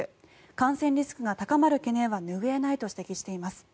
感染リスクが高まる懸念は拭えないと指摘しています。